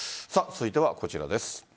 続いてはこちらです。